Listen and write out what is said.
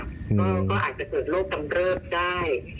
ก็อาจจะเกิดโรคกำเริบได้